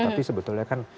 tapi sebetulnya kan